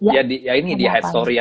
ya ini dia hate story aja